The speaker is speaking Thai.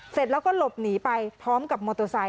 เสร็จแล้วก็หลบหนีไปพร้อมกับมอเตอร์ไซค